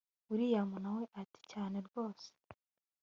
william nawe ati cyane rwose